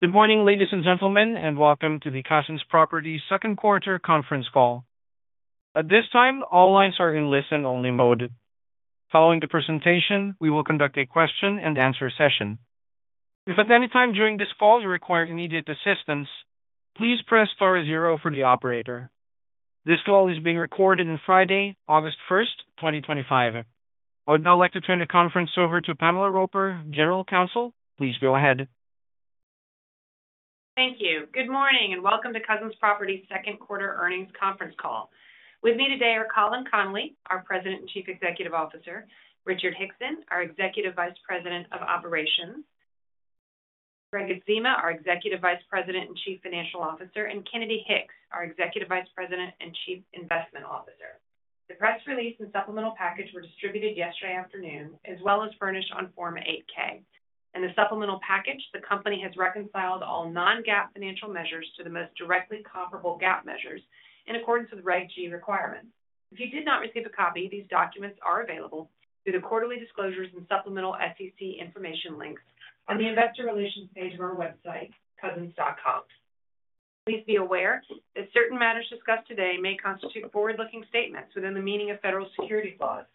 Good morning ladies and gentlemen and welcome to the Cousins Properties second quarter conference call. At this time, all lines are in listen-only mode. Following the presentation, we will conduct a question and answer session. If at any time during this call you require immediate assistance, please press star zero for the operator. This call is being recorded on Friday, August 1st, 2025. I would now like to turn the conference over to Pamela Roper, General Counsel. Please go ahead. Thank you. Good morning and welcome to Cousins Properties second quarter earnings conference call. With me today are Colin Connolly, our President and Chief Executive Officer, Richard Hickson, our Executive Vice President of Operations, Gregg Adzema, our Executive Vice President and Chief Financial Officer, and Kennedy Hicks, our Executive Vice President and Chief Investment Officer. The press release and supplemental package were distributed yesterday afternoon as well as furnished on Form 8-K. In the supplemental package, the company has reconciled all non-GAAP financial measures to the most directly comparable GAAP measures in accordance with Reg G requirements. If you did not receive a copy, these documents are available through the quarterly disclosures and supplemental SEC information links on the Investor Relations page of our website cousins.com. Please be aware that certain matters discussed today may constitute forward-looking statements within the meaning of federal securities laws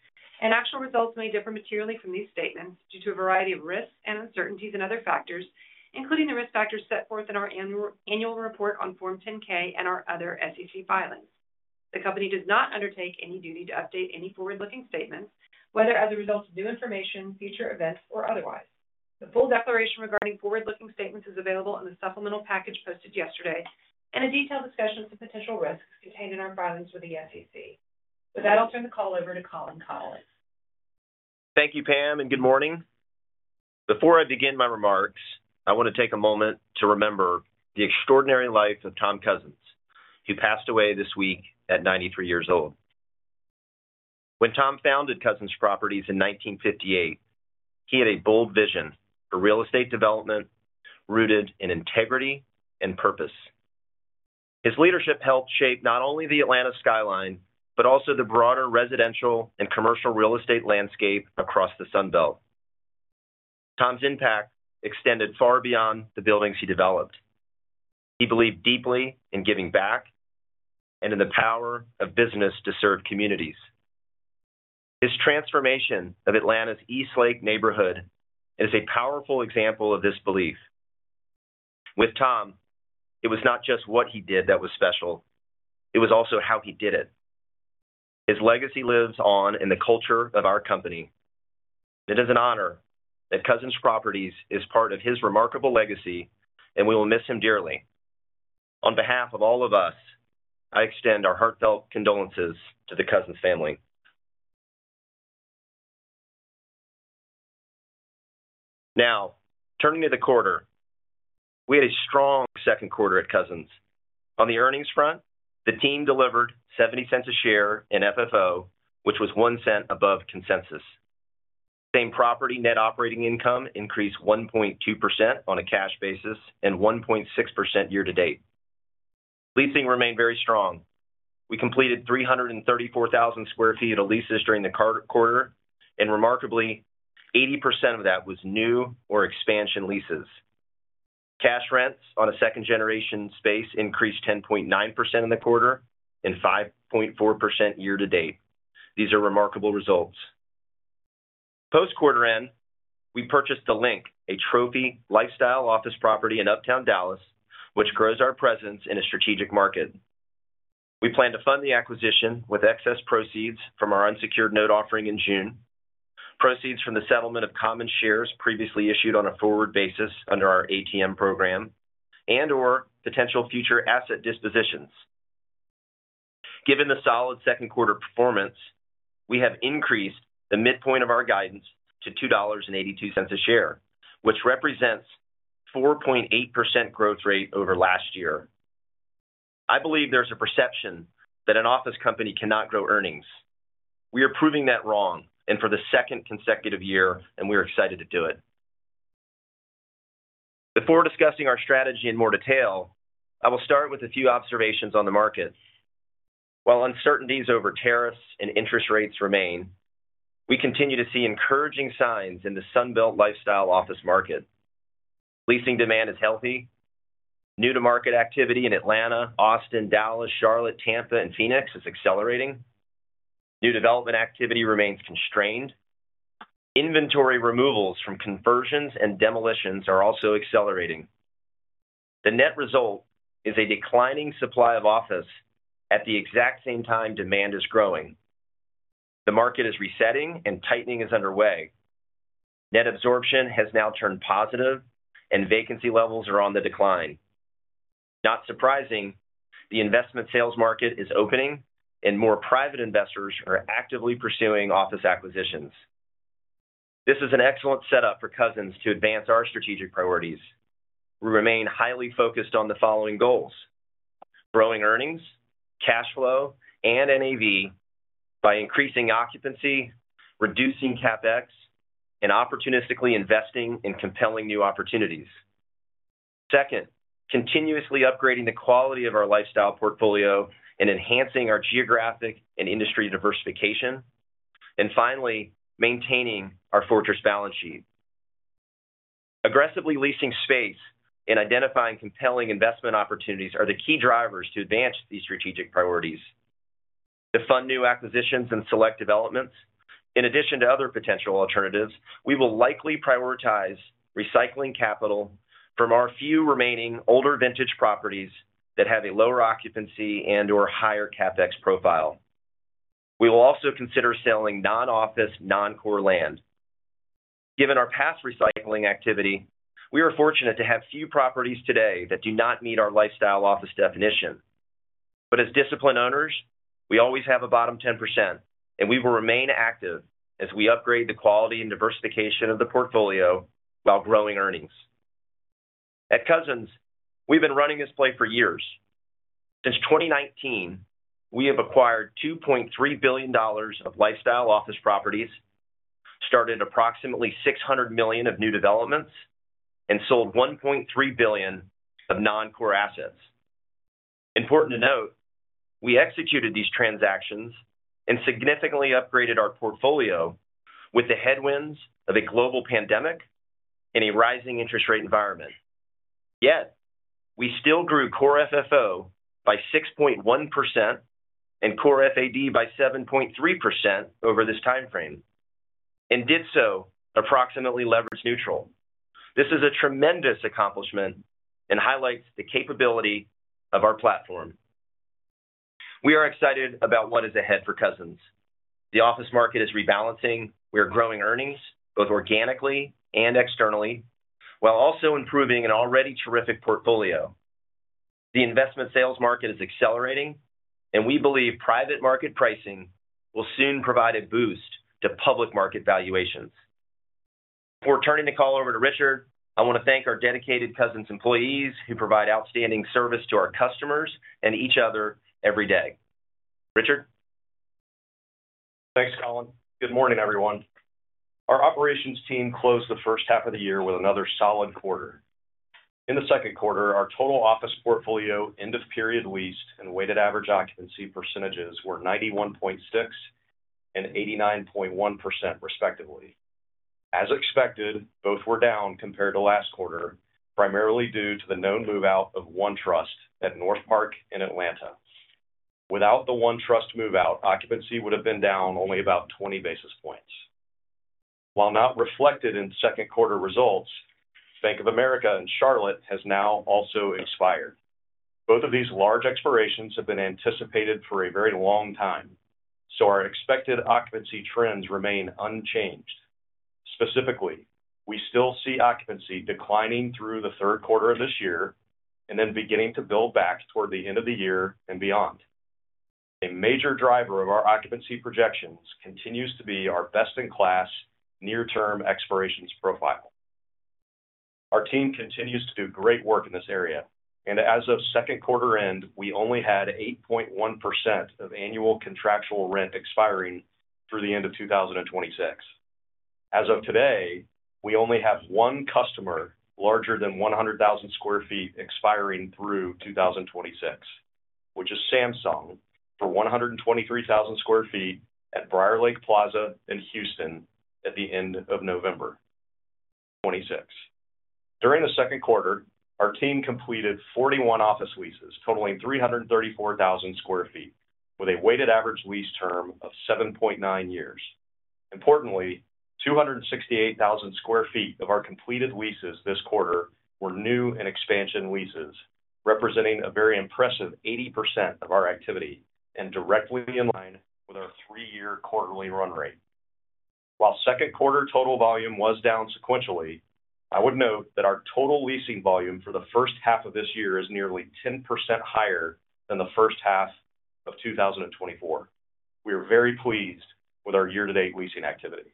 and actual results may differ materially from these statements due to a variety of risks and uncertainties and other factors, including the risk factors set forth in our annual report on Form 10-K and our other SEC filings. The company does not undertake any duty to update any forward-looking statements, whether as a result of new information, future events or otherwise. The full declaration regarding forward-looking statements is available in the supplemental package posted yesterday and a detailed discussion of the potential risks contained in our filings with the SEC. With that, I'll turn the call over to Colin Connolly. Thank you, Pam, and good morning. Before I begin my remarks, I want to take a moment to remember the extraordinary life of Tom Cousins, who passed away this week at 93 years old. When Tom founded Cousins Properties in 1958, he had a bold vision for real estate development rooted in integrity and purpose. His leadership helped shape not only the Atlanta skyline, but also the broader residential and commercial real estate landscape across the Sun Belt. Tom's impact extended far beyond the buildings he developed. He believed deeply in giving back and in the power of business to serve communities. His transformation of Atlanta's East Lake neighborhood is a powerful example of this belief. With Tom, it was not just what he did that was special, it was also how he did it. His legacy lives on in the culture of our company. It is an honor that Cousins Properties is part of his remarkable legacy, and we will miss him dearly. On behalf of all of us, I extend our heartfelt condolences to the Cousins family. Now turning to the quarter, we had a strong second quarter at Cousins. On the earnings front, the team delivered $0.70 a share in FFO, which was $0.01 above consensus. Same property net operating income increased 1.2% on a cash basis and 1.6% year to date. Leasing remained very strong. We completed 334,000 sq ft of leases during the quarter, and remarkably, 80% of that was new or expansion leases. Cash rents on second-generation space increased 10.9% in the quarter and 5.4% year to date. These are remarkable results. Post quarter end, we purchased The Link, a trophy lifestyle office property in Uptown Dallas, which grows our presence in a strategic market. We plan to fund the acquisition with excess proceeds from our unsecured note offering in June, proceeds from the settlement of common shares previously issued on a forward basis under our ATM program, and/or potential future asset dispositions. Given the solid second quarter performance, we have increased the midpoint of our guidance to $2.82 a share, which represents 4.8% growth rate over last year. I believe there's a perception that an office company cannot grow earnings. We are proving that wrong for the second consecutive year, and we are excited to do it. Before discussing our strategy in more detail, I will start with a few observations on the market. While uncertainties over tariffs and interest rates remain, we continue to see encouraging signs in the Sun Belt Lifestyle Office market. Leasing demand is healthy. New-to-market activity in Atlanta, Austin, Dallas, Charlotte, Tampa, and Phoenix is accelerating. New development activity remains constrained. Inventory removals from conversions and demolitions are also accelerating. The net result is a declining supply of office. At the exact same time, demand is growing. The market is resetting, and tightening is underway. Net absorption has now turned positive, and vacancy levels are on the decline. Not surprising, the investment sales market is opening, and more private investors are actively pursuing office acquisitions. This is an excellent setup for Cousins to advance our strategic priorities. We remain highly focused on the following: growing earnings, cash flow, and navigation by increasing occupancy, reducing CapEx, and opportunistically investing in compelling new opportunities. Second, continuously upgrading the quality of our lifestyle portfolio and enhancing our geographic and industry diversification, and finally, maintaining our fortress balance sheet. Aggressively leasing space and identifying compelling investment opportunities are the key drivers to advance these strategic priorities. To fund new acquisitions and select developments, in addition to other potential alternatives, we will likely prioritize recycling capital from our few remaining older vintage properties that have a lower occupancy and/or higher CapEx profile. We will also consider selling non-office, non-core land. Given our past recycling activity, we are fortunate to have few properties today that do not meet our lifestyle office definition. As disciplined owners, we always have a bottom 10%, and we will remain active as we upgrade the quality and diversification of the portfolio while growing earnings. At Cousins, we've been running this play for years. Since 2019, we have acquired $2.3 billion of lifestyle office properties, started approximately $600 million of new developments, and sold $1.3 billion of non-core assets. Important to note, we executed these transactions and significantly upgraded our portfolio with the headwinds of a global pandemic in a rising interest rate environment. Yet we still grew core FFO by 6.1% and core FAD by 7.3% over this time frame and did so approximately leverage neutral. This is a tremendous accomplishment and highlights the capability of our platform. We are excited about what is ahead for Cousins Properties. The office market is rebalancing. We are growing earnings both organically and externally while also improving an already terrific portfolio. The investment sales market is accelerating, and we believe private market pricing will soon provide a boost to public market valuations. Before turning the call over to Richard, I want to thank our dedicated Cousins employees who provide outstanding service to our customers and each other every day. Richard. Thanks Colin. Good morning everyone. Our operations team closed the first half of the year with another solid quarter. In the second quarter, our total office portfolio end of period leased and weighted average occupancy percentages were 91.6% and 89.1%, respectively. As expected, both were down compared to last quarter primarily due to the known move out of OneTrust at Northpark in Atlanta. Without the OneTrust move out, occupancy would have been down only about 20 basis points. While not reflected in second quarter results, Bank of America in Charlotte has now also expired. Both of these large expirations have been anticipated for a very long time, so our expected occupancy trends remain unchanged. Specifically, we still see occupancy declining through the third quarter of this year and then beginning to build back toward the end of the year and beyond. A major driver of our occupancy projections continues to be our best-in-class near term expirations profile. Our team continues to do great work in this area and as of second quarter end, we only had 8.1% of annual contractual rent expiring through the end of 2026. As of today, we only have one customer larger than 100,000 sq ft expiring through 2026, which is Samsung for 123,000 sq ft at Briarlake Plaza in Houston at the end of November 2026. During the second quarter, our team completed 41 office leases totaling 334,000 sq ft with a weighted average lease term of 7.9 years. Importantly, 268,000 sq ft of our completed leases this quarter were new and expansion leases, representing a very impressive 80% of our activity and directly in line with our three-year quarterly run rate. While second quarter total volume was down sequentially, I would note that our total leasing volume for the first half of this year is nearly 10% higher than the first half of 2024. We are very pleased with our year-to-date leasing activity.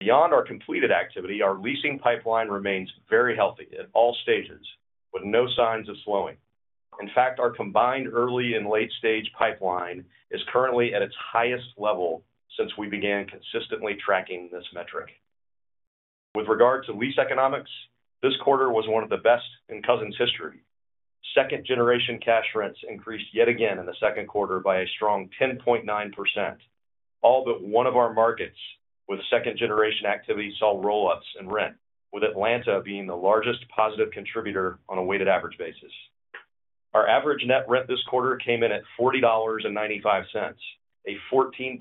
Beyond our completed activity, our leasing pipeline remains very healthy at all stages with no signs of slowing. In fact, our combined early and late stage pipeline is currently at its highest level since we began consistently tracking this metric. With regard to lease economics, this quarter was one of the best in Cousins' history. Second-generation cash rents increased yet again in the second quarter by a strong 10.9%. All but one of our markets with second-generation activity saw roll ups in rent, with Atlanta being the largest positive contributor. On a weighted average basis, our average net rent this quarter came in at $40.95, a 14%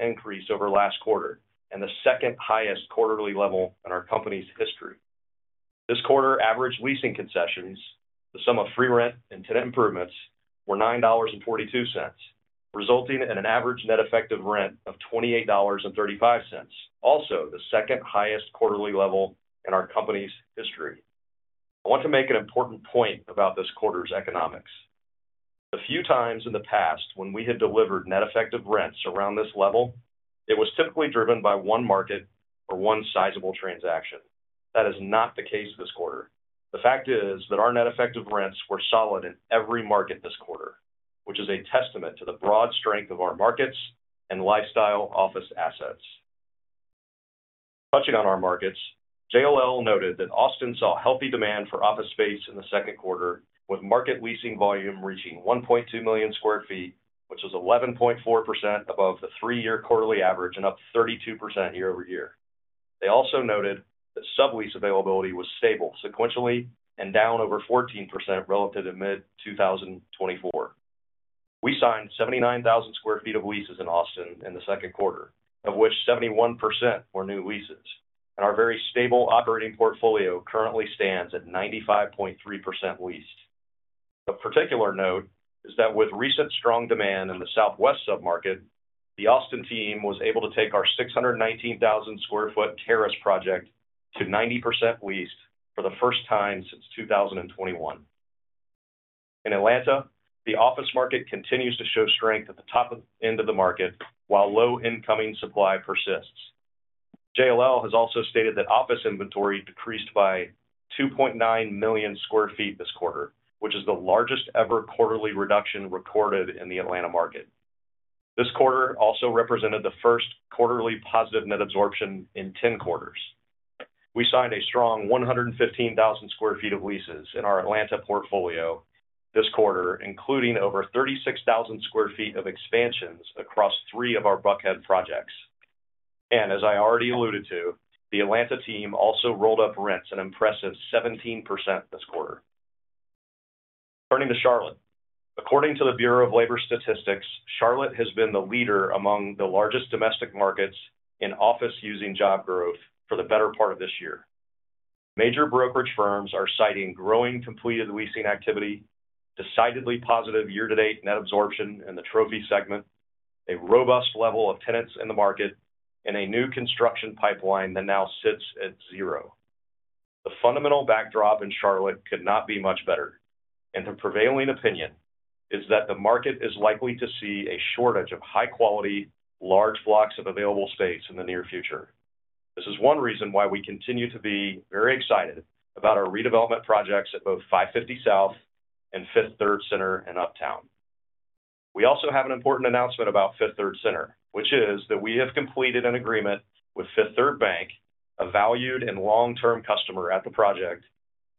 increase over last quarter and the second highest quarterly level in our company's history. This quarter, average leasing concessions, the sum of free rent and tenant improvements, were $9.42, resulting in an average net effective rent of $28.35, also the second highest quarterly level in our company's history. I want to make an important point about this quarter's economics. The few times in the past when we had delivered net effective rents around this level, it was typically driven by one market or one sizable transaction. That is not the case this quarter. The fact is that our net effective rents were solid in every market this quarter, which is a testament to the broad strength of our markets and lifestyle office assets. Touching on our markets, JLL noted that Austin saw healthy demand for office space in the second quarter with market leasing volume reaching 1.2 million sq ft, which was 11.4% above the three-year quarterly average and up 32% year-over-year. They also noted that sublease availability was stable sequentially and down over 14% relative to mid 2024. We signed 79,000 sq ft of leases in Austin in the second quarter, of which 71% were new leases, and our very stable operating portfolio currently stands at 95.3% leased. Of particular note is that with recent strong demand in the Southwest submarket, the Austin team was able to take our 619,000 sq ft Terrace project to 90% leased for the first time since 2021. In Atlanta, the office market continues to show strength at the top end of the market while low incoming supply persists. JLL has also stated that office inventory decreased by 2.9 million sq ft this quarter, which is the largest ever quarterly reduction recorded in the Atlanta market. This quarter also represented the first quarterly positive net absorption in 10 quarters. We signed a strong 115,000 sq ft of leases in our Atlanta portfolio this quarter, including over 36,000 sq ft of expansions across three of our Buckhead projects. As I already alluded to, the Atlanta team also rolled up rents an impressive 17% this quarter. Turning to Charlotte, according to the Bureau of Labor Statistics, Charlotte has been the leader among the largest domestic markets in office-using job growth for the better part of this year. Major brokerage firms are citing growing completed leasing activity, decidedly positive year to date, net absorption in the trophy segment, a robust level of tenants in the market, and a new construction pipeline that now sits at zero. The fundamental backdrop in Charlotte could not be much better, and the prevailing opinion is that the market is likely to see a shortage of high-quality large blocks of available space in the near future. This is one reason why we continue to be very excited about our redevelopment projects at both 550 South and Fifth Third Center in Uptown. We also have an important announcement about Fifth Third Center, which is that we have completed an agreement with Fifth Third Bank, a valued and long-term customer at the project,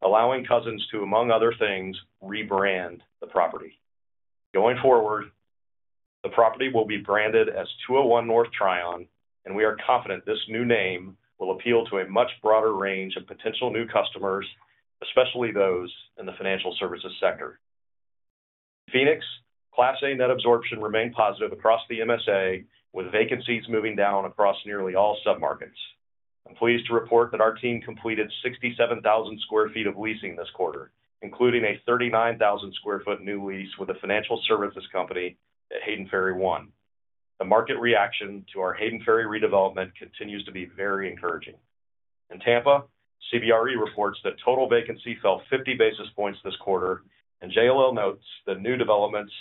allowing Cousins to, among other things, rebrand the property. Going forward, the property will be branded as 201 North Tryon, and we are confident this new name will appeal to a much broader range of potential new customers, especially those in the financial services sector. Phoenix Class A net absorption remained positive across the MSA, with vacancies moving down across nearly all submarkets. I'm pleased to report that our team completed 67,000 sq ft of leasing this quarter, including a 39,000 sq ft new lease with a financial services company at Hayden Ferry I. The market reaction to our Hayden Ferry redevelopment continues to be very encouraging. In Tampa, CBRE reports that total vacancy fell 50 basis points this quarter, and JLL notes that new developments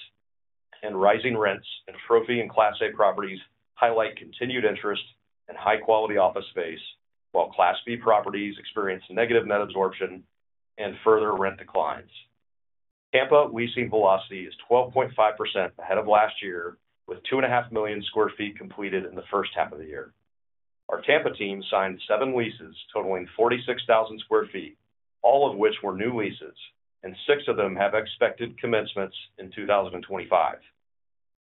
and rising rents in trophy and Class A properties highlight continued interest in high-quality office space, while Class B properties experience negative net absorption and further rent declines. Tampa leasing velocity is 12.5% ahead of last year, with 2.5 million sq ft completed in the first half of the year. Our Tampa team signed seven leases totaling 46,000 sq ft, all of which were new leases, and six of them have expected commencements in 2025.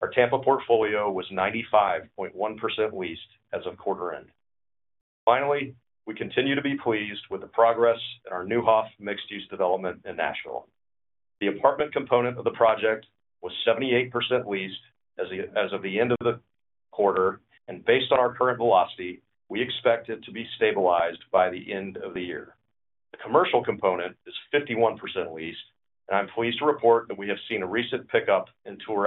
Our Tampa portfolio was 95.1% leased as of quarter end. Finally, we continue to be pleased with the progress in our Neuhoff mixed-use development in Nashville. The apartment component of the project was 78% leased as of the end of the quarter, and based on our current velocity, we expect it to be stabilized by the end of the year. The commercial component is 51% leased, and I'm pleased to report that we have seen a recent pickup in tour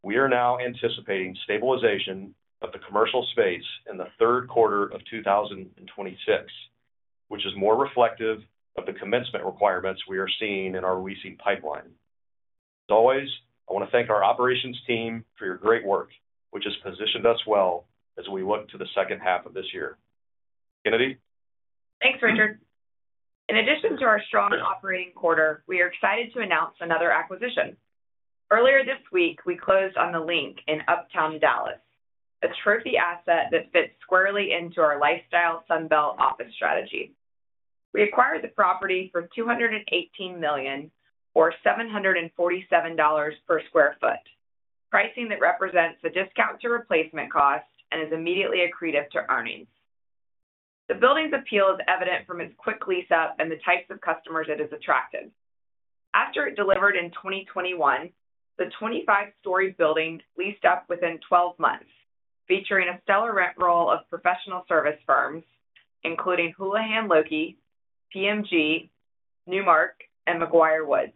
activity. We are now anticipating stabilization of the commercial space in the third quarter of 2026, which is more reflective of the commencement requirements we are seeing in our leasing pipeline. As always, I want to thank our operations team for your great work, which has positioned us well as we look to the second half of this year. Kennedy. Thanks Richard. In addition to our strong operating quarter, we are excited to announce another acquisition. Earlier this week we closed on The Link in Uptown Dallas, a trophy asset that fits squarely into our Lifestyle Sun Belt Office strategy. We acquired the property for $218 million or $747 per sq ft, pricing that represents the discount to replacement cost and is immediately accretive to earnings. The building's appeal is evident from its quick lease-up and the types of customers it has attracted. After it delivered in 2021, the 25-story building leased up within 12 months, featuring a stellar rent roll of professional service firms including Houlihan Lokey, PMG, Newmark, and McGuireWoods.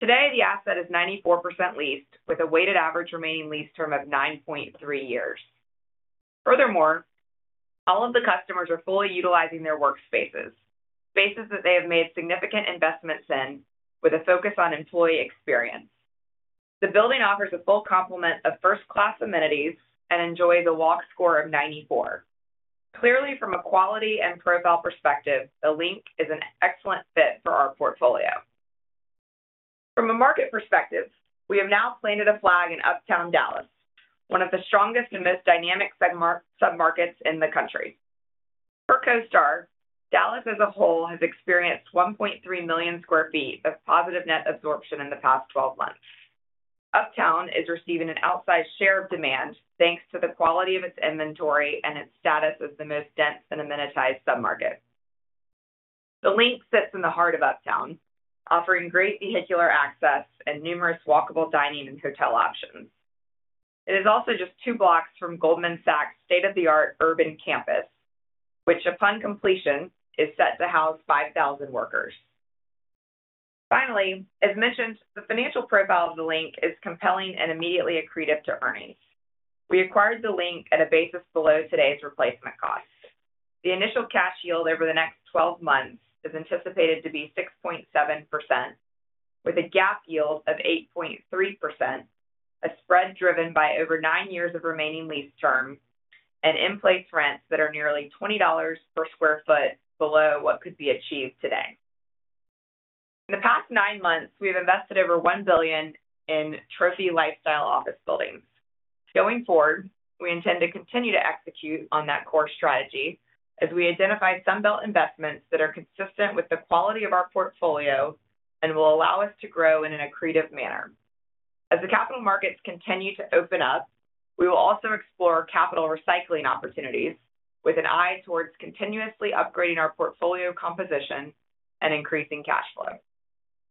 Today the asset is 94% leased with a weighted average remaining lease term of 9.3 years. Furthermore, all of the customers are fully utilizing their workspaces, spaces that they have made significant investments in with a focus on employee experience. The building offers a full complement of first-class amenities and enjoys a Walk Score of 94. Clearly, from a quality and profile perspective, The Link is an excellent fit for our portfolio. From a market perspective, we have now planted a flag in Uptown Dallas, one of the strongest and most dynamic submarkets in the country. For CoStar, Dallas as a whole has experienced 1.3 million sq ft of positive net absorption in the past 12 months. Uptown is receiving an outsized share of demand thanks to the quality of its inventory and its status as the most dense and amenitized submarket. The Link sits in the heart of Uptown offering great vehicular access and numerous walkable dining and hotel options. It is also just two blocks from Goldman Sachs' state-of-the-art urban campus which upon completion is set to house 5,000 workers. Finally, as mentioned, the financial profile of The Link is compelling and immediately accretive to earnings. We acquired The Link at a basis below today's replacement cost. The initial cash yield over the next 12 months is anticipated to be 6.7% with a gap yield of 8.3%, a spread driven by over nine years of remaining lease terms and in-place rents that are nearly $20 per sq ft below what could be achieved today. In the past nine months we've invested over $1 billion in trophy lifestyle office buildings. Going forward, we intend to continue to execute on that core strategy as we identify Sun Belt investments that are consistent with the quality of our portfolio and will allow us to grow in an accretive manner as the capital markets continue to open up. We will also explore capital recycling opportunities with an eye towards continuously upgrading our portfolio composition and increasing cash flow.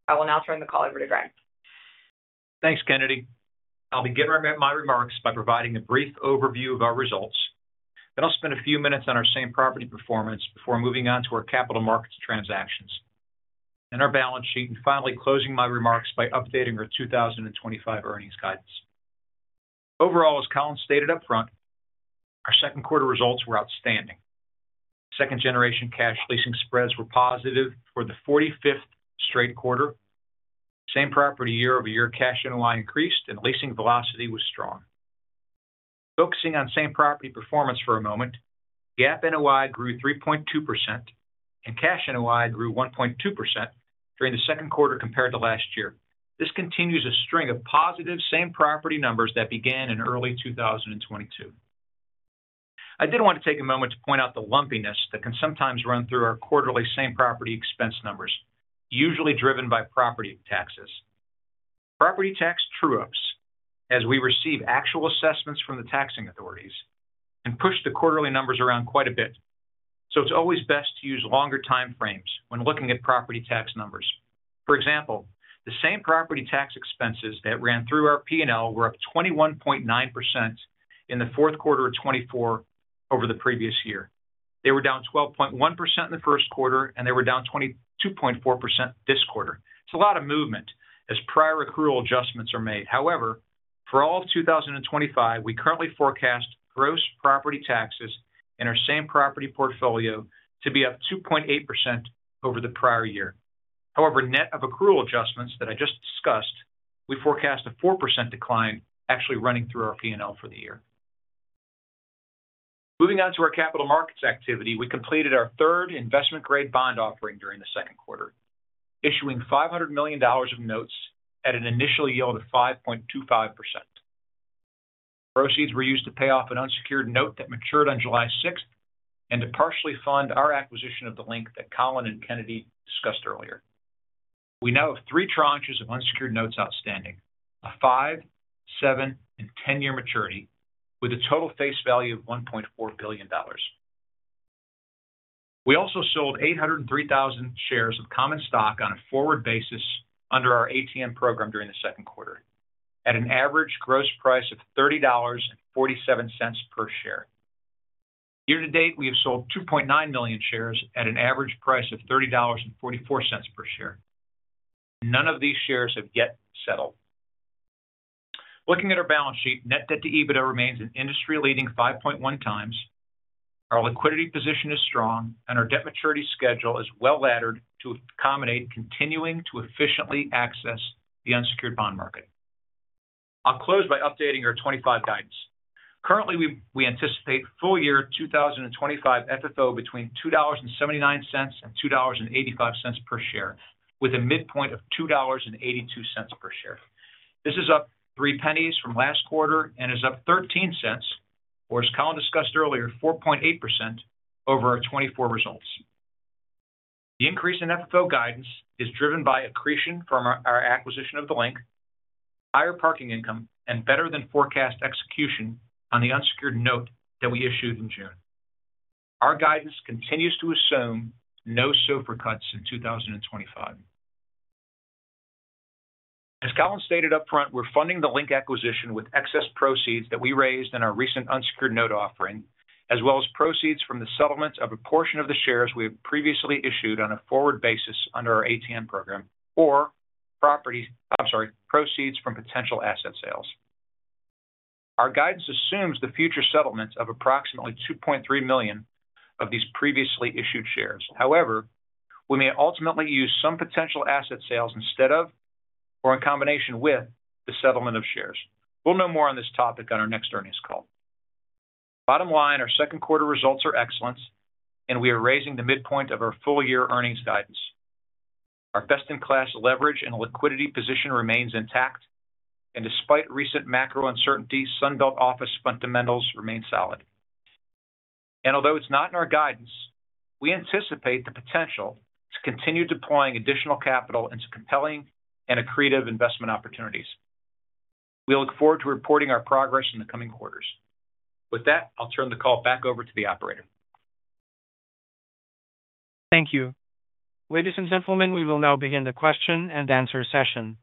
I will now turn the call over to Gregg. Thanks, Kennedy. I'll begin my remarks by providing a brief overview of our results. Then I'll spend a few minutes on our same property performance before moving on to our capital markets transactions and our balance sheet, and finally closing my remarks by updating our 2025 earnings guidance. Overall, as Colin stated up front, our second quarter results were outstanding. Second-generation cash leasing spreads were positive for the 45th straight quarter. Same property year-over-year cash NOI increased and leasing velocity was strong. Focusing on same property performance for a moment, GAAP NOI grew 3.2% and cash NOI grew 1.2% during the second quarter compared to last year. This continues a string of positive same property numbers that began in early 2022. I did want to take a moment to point out the lumpiness that can sometimes run through our quarterly same property expense numbers, usually driven by property taxes, property tax true-ups as we receive actual assessments from the taxing authorities and push the quarterly numbers around quite a bit. It's always best to use longer time frames when looking at property tax numbers. For example, the same property tax expenses that ran through our P&L were up 21.9% in fourth quarter 2024 over the previous year. They were down 12.1% in the first quarter and they were down 22.4% this quarter. It's a lot of movement as prior accrual adjustments are made. However, for all of 2025, we currently forecast gross property taxes in our same property portfolio to be up 2.8% over the prior year. However, net of accrual adjustments that I just discussed, we forecast a 4% decline actually running through our P&L for the year. Moving on to our capital markets activity, we completed our third investment grade bond offering during the second quarter, issuing $500 million of notes at an initial yield of 5.25%. Proceeds were used to pay off an unsecured note that matured on July 6 and to partially fund our acquisition of The Link that Colin and Kennedy discussed earlier. We now have three tranches of unsecured notes outstanding, a five, seven, and 10-year maturity with a total face value of $1.4 billion. We also sold 803,000 shares of common stock on a forward basis under our ATM program during the second quarter at an average gross price of $30.47 per share. Year to date, we have sold 2.9 million shares at an average price of $30.44 per share. None of these shares have yet settled. Looking at our balance sheet, net debt to EBITDA remains an industry-leading 5.1x. Our liquidity position is strong, and our debt maturity schedule is well laddered to accommodate continuing to efficiently access the unsecured bond market. I'll close by updating our 2025 guidance. Currently, we anticipate full year 2025 FFO between $2.79 and $2.85 per share, with a midpoint of $2.82 per share. This is up $0.03 from last quarter and is up $0.13, or as Colin discussed earlier, 4.8% over our 2024 results. The increase in FFO guidance is driven by accretion from our acquisition of The Link, higher parking income, and better than forecast execution on the unsecured note that we issued in June. Our guidance continues to assume no SOFR cuts in 2025. As Colin stated up front, we're funding The Link acquisition with excess proceeds that we raised in our recent unsecured note offering, as well as proceeds from the settlement of a portion of the shares we have previously issued on a forward basis under our ATM program or properties. I'm sorry, proceeds from potential asset sales. Our guidance assumes the future settlements of approximately 2.3 million of these previously issued shares. However, we may ultimately use some potential asset sales instead of or in combination with the settlement of shares. We'll know more on this topic on our next earnings call. Bottom line, our second quarter results are excellent, and we are raising the midpoint of our full year earnings guidance. Our best-in-class leverage and liquidity position remains intact. Despite recent macro uncertainty, Sun Belt office fundamentals remain solid. Although it's not in our guidance, we anticipate the potential to continue deploying additional capital into compelling and accretive investment opportunities. We look forward to reporting our progress in the coming quarters. With that, I'll turn the call back over to the operator. Thank you, ladies and gentlemen. We will now begin the question and answer session.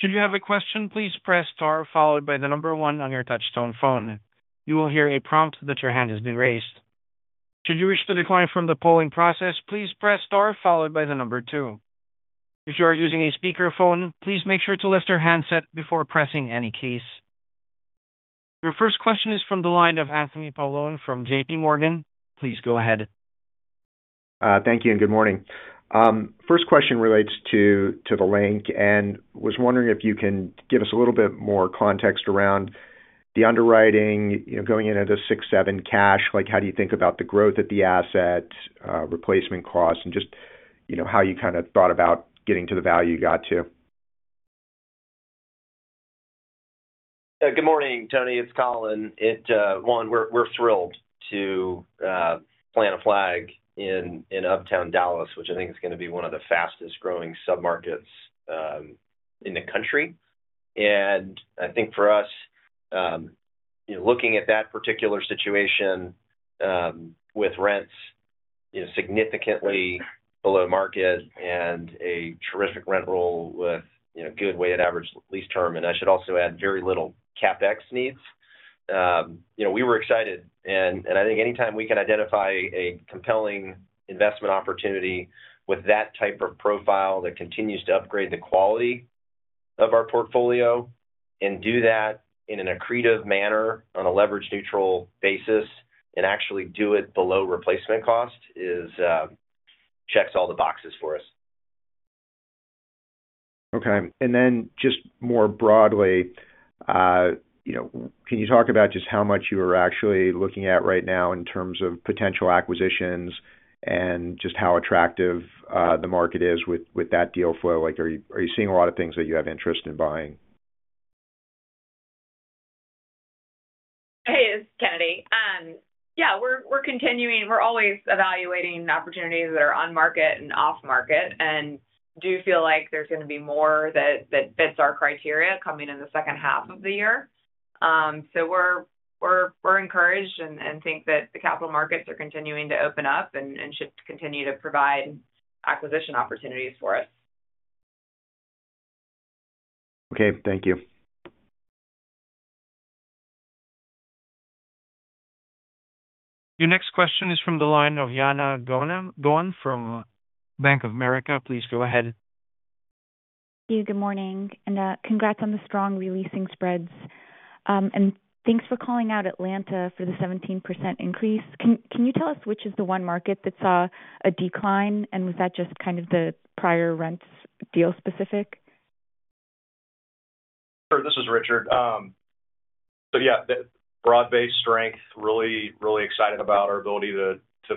Should you have a question, please press star followed by the number one. On your touch-tone phone, you will hear a prompt that your hand has been raised. Should you wish to decline from the polling process, please press star followed by the number two. If you are using a speakerphone, please make sure to lift your handset before pressing. In any case, your first question is from the line of Anthony Paolone from JPMorgan. Please go ahead. Thank you and good morning. First question relates to The Link and was wondering if you can give us a little bit more context around the underwriting going into $6.7 million cash. How do you think about the growth at the asset replacement cost and just how you kind of thought about getting to the value you got to. Good morning, Tony, it's Colin. We're thrilled to plant a flag in Uptown Dallas, which I think is going to be one of the fastest growing submarkets in the country. I think for us, looking at that particular situation with rents significantly below market and a terrific rent roll with good weighted average lease term, and I should also add very little CapEx needs, we were excited. I think anytime we can identify a compelling investment opportunity with that type of profile that continues to upgrade the quality of our portfolio and do that in an accretive manner on a leverage neutral basis and actually do it below replacement cost checks all the boxes for us. Okay. Can you talk about just how much you are actually looking at right now in terms of potential acquisitions and just how attractive the market is with that deal flow? Are you seeing a lot of things that you have interest in buying? Hey, it's Kennedy. We're continuing. We're always evaluating opportunities that are on market and off market and do feel like there's going to be more that fits our criteria coming in the second half of the year. We're encouraged and think that the capital markets are continuing to open up and should continue to provide acquisition opportunities for us. Okay, thank you. Your next question is from the line of Jana Galan from Bank of America. Please go ahead. Good morning and congrats on the strong releasing spreads, and thanks for calling out Atlanta for the 17% increase. Can you tell us which is the one market that saw a decline, and was that just kind of the prior rents deal specific? Sure. This is Richard. Yeah, broad based strength. Really, really excited about our ability to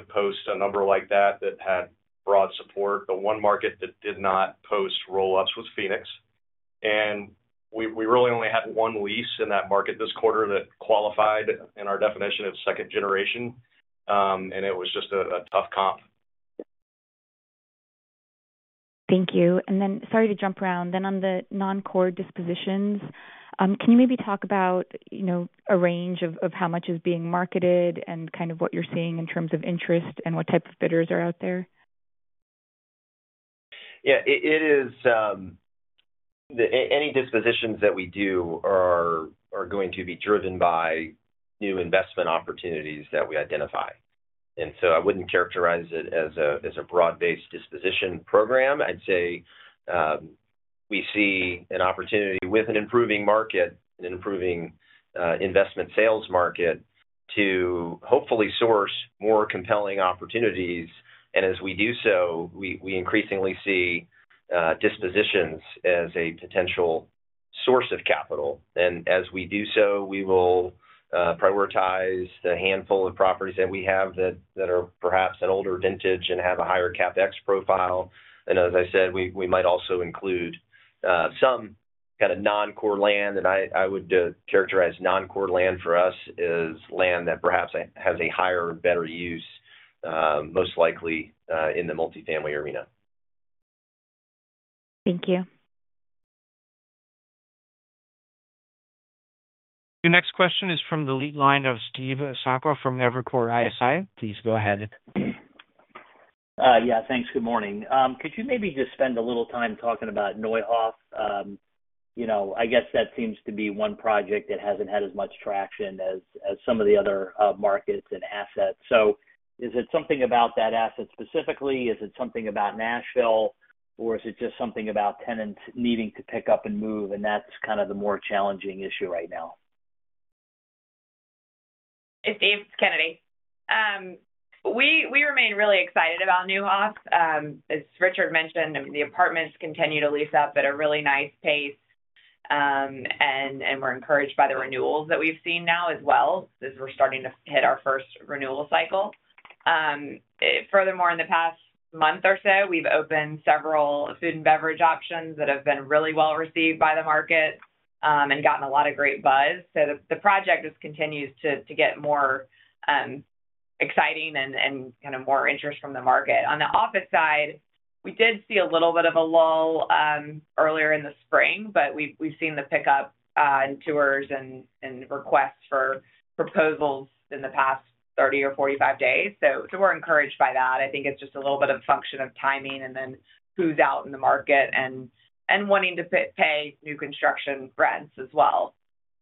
post a number like that that had broad support. The one market that did not post roll ups was Phoenix, and we really only had one lease in that market this quarter that qualified in our definition of second-generation, and it was just a tough comp. Thank you. Sorry to jump around on the non-core dispositions. Can you maybe talk about a range of how much is being marketed and what you're seeing in terms of interest and what type of bidders are out there? Yeah, it is. Any dispositions that we do are going to be driven by new investment opportunities that we identify. I wouldn't characterize it as a broad-based disposition program. I’d say we see an opportunity with an improving market, an improving investment sales market to hopefully source more compelling opportunities. As we do so, we increasingly see dispositions as a potential source of capital. As we do so, we will prioritize the handful of properties that we have that are perhaps an older vintage and have a higher CapEx profile. As I said, we might also include some kind of non-core land, and I would characterize non-core land for us as land that perhaps has a higher, better use, most likely in the multifamily arena. Thank you. Your next question is from the lead line of Steve Sakwa from Evercore ISI. Please go ahead. Yeah, thanks. Good morning. Could you maybe just spend a little time talking about Neuhauff? I guess that seems to be one project that hasn't had as much traction as some of the other markets and assets. Is it something about that asset specifically? Is it something about Nashville, or is it just something about tenants needing to pick up and move? That's kind of the more challenging issue right now. Hey Steve, it's Kennedy. We remain really excited about Neuhoff. As Richard mentioned, the apartments continue to lease up at a really nice pace, and we're encouraged by the renewals that we've seen now as well as we're starting to hit our first renewal cycle. Furthermore, in the past month or so, we've opened several food and beverage options that have been really well received by the market and gotten a lot of great buzz. The project just continues to get more exciting and kind of more interest from the market. On the office side, we did see a little bit of a lull earlier in the spring, but we've seen the pickup in tours and requests for proposals in the past 30 or 45 days. We're encouraged by that. I think it's just a little bit of a function of timing and then who's out in the market and wanting to pay new construction rents as well.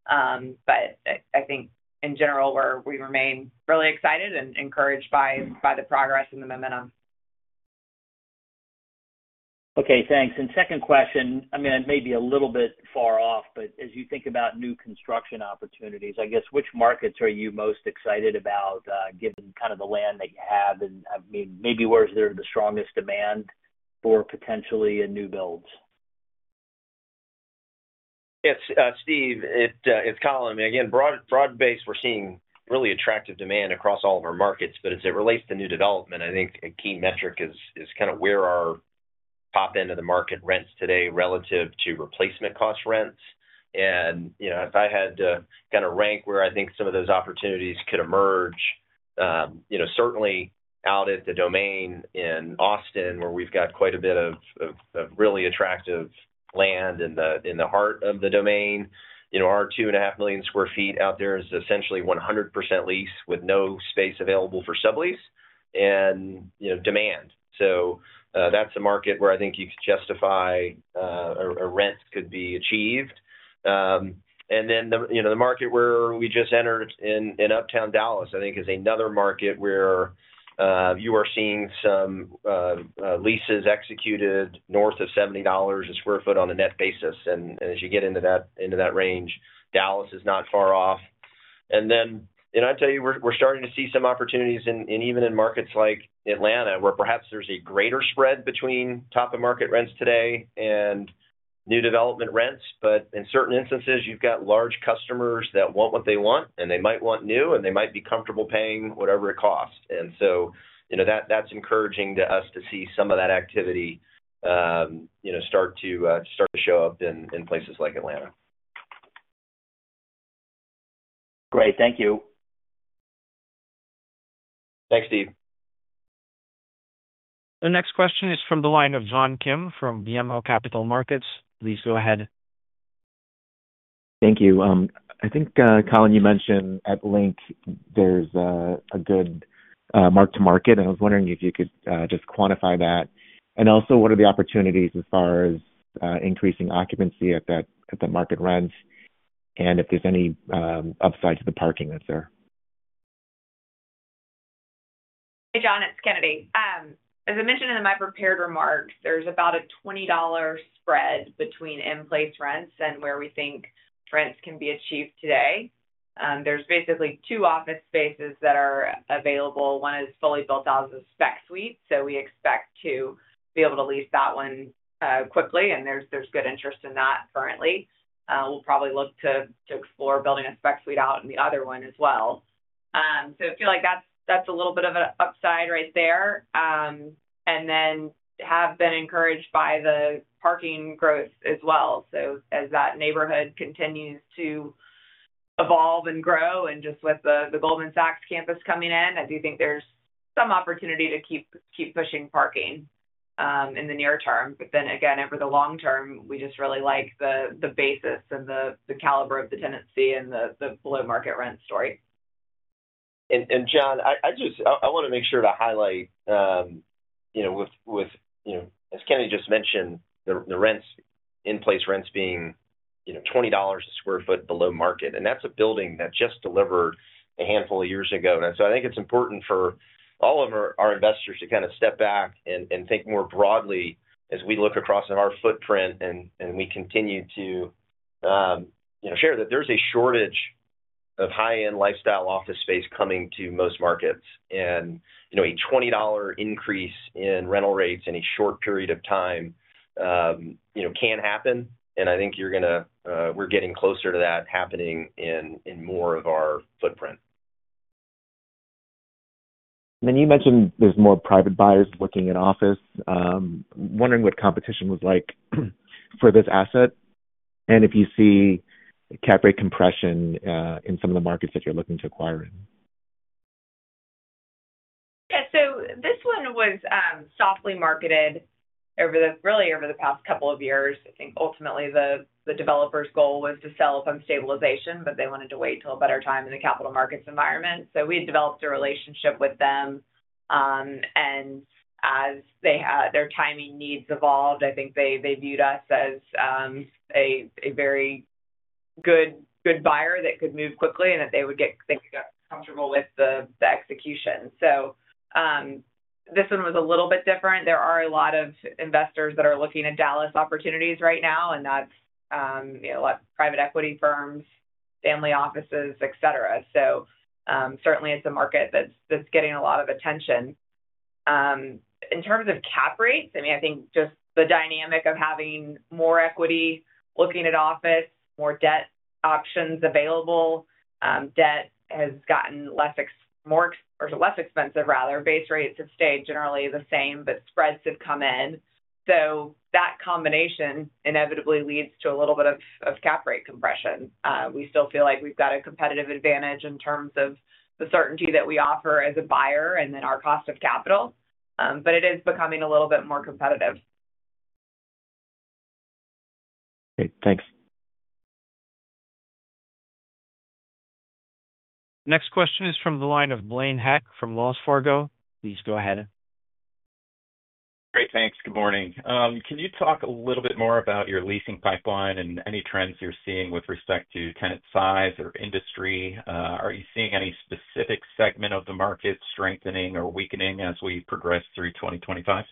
I think in general, we remain really excited and encouraged by the progress and the momentum. Okay, thanks. Second question, it may be a little bit further far off, but as you think about new construction opportunities, I guess which markets are you most excited about given kind of the land that you have? Maybe where's there the strongest demand for potentially a new builds? Yes, Steve, it's Colin again, broad, broad based. We're seeing really attractive demand across all of our markets. As it relates to new development, I think a key metric is kind of where our pop into the market rents today relative to replacement cost rents. If I had to kind of rank where I think some of those opportunities could emerge, certainly out at The Domain in Austin, where we've got quite a bit of really attractive land in the heart of The Domain, our 2.5 million sq ft out there is essentially 100% leased with no space available for sublease and demand. That's a market where I think you could justify a rent could be achieved. The market where we just entered in Uptown Dallas I think is another market where you are seeing some leases executed north of $70 a sq ft on a net basis. As you get into that range, Dallas is not far off. I'd tell you we're starting to see some opportunities even in markets like Atlanta where perhaps there's a greater spread between top of market rents today and new development rents. In certain instances you've got large customers that want what they want and they might want new and they might be comfortable paying whatever it costs. That's encouraging to us to see some of that activity start to show up in places like Atlanta. Great, thank you. Thanks, Steve. The next question is from the line of John Kim from BMO Capital Markets. Please go ahead. Thank you. I think Colin, you mentioned at The Link, there's a good mark to market, and I was wondering if you could just quantify that and also what are the opportunities as far as increasing occupancy at that market rents, and if there's any upside to the parking that's there. Hey John, it's Kennedy. As I mentioned in my prepared remarks, there's about a $20 spread between in place rents and where we think rents can be achieved today. There's basically two office spaces that are available. One is fully built out as a spec suite, so we expect to be able to lease that one quickly. There's good interest in that currently. We'll probably look to explore building a spec suite out in the other one as well. I feel like that's a little bit of an upside right there and have been encouraged by the parking growth as well. As that neighborhood continues to evolve and grow, and just with the Goldman Sachs campus coming in, I do think there's some opportunity to keep pushing parking in the near term. Over the long term, we just really like the basis and the caliber of the tenancy and the below market rent story. John, I just want to make sure to highlight, as Kennedy just mentioned, the rents in place, rents being $20 a sq ft below market. That's a building that just delivered a handful of years ago. I think it's important for all of our investors to step back and think more broadly as we look across our footprint and we continue to share that there's a shortage of high-end lifestyle office space coming to most markets, and a $20 increase in rental rates in a short period of time can happen. I think we're getting closer to that happening in more of our footprint. You mentioned there's more private buyers looking in office, wondering what competition was like for this asset, and if you see cap rate compression in some of the markets that you're looking to acquire in. Yeah, this one was softly marketed really over the past couple of years. I think ultimately the developer's goal was to sell up on stabilization, but they wanted to wait until a better time in the capital markets environment. We had developed a relationship with them and as their timing needs evolved, I think they viewed us as a very good buyer that could move quickly and that they would get comfortable with the execution. This one was a little bit different. There are a lot of investors that are looking at Dallas opportunities right now, and that's private equity firms, family offices, et cetera. Certainly, it's a market that's getting a lot of attention in terms of cap rates. I think just the dynamic of having more equity looking at office, more debt options available, debt has gotten less expensive. Rather, base rates have stayed generally the same, but spreads have come in. That combination inevitably leads to a little bit of cap rate compression. We still feel like we've got a competitive advantage in terms of the certainty that we offer as a buyer and then our cost of capital. It is becoming a little bit more competitive. Thanks. Next question is from the line of Blaine Heck from Wells Fargo. Please go ahead. Great, thanks. Good morning. Can you talk a little bit more about your leasing pipeline and any trends you're seeing with respect to tenant size or industry? Are you seeing any specific segment of the market strengthening or weakening as we progress through 2025?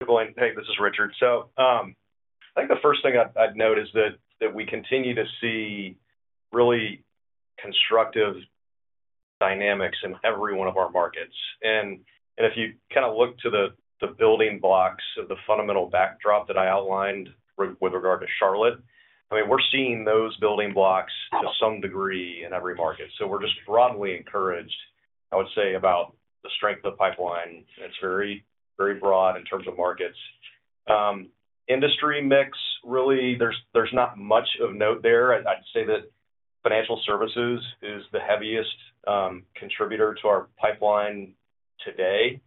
Hey, this is Richard. I think the first thing I'd note is that we continue to see really constructive dynamics in every one of our markets. If you kind of look to the building blocks of the fundamental backdrop that I outlined with regard to Charlotte, we're seeing those building blocks to some degree in every market. We're just broadly encouraged, I would say, about the strength of pipeline. It's very, very broad in terms of markets, industry mix, really, there's not much of note there. I'd say that financial services is the heaviest contributor to our pipeline today